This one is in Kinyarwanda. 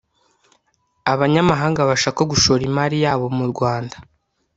abanyamahanga bashaka gushora imari yabo mu rwanda